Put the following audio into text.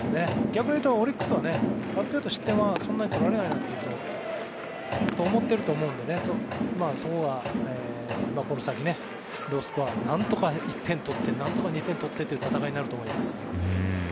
逆を言うとオリックスはある程度失点はそんなに取られないと思っていると思うのでそこが、この先ロースコアで何とか１点取って何とか２点取ってという戦いになると思います。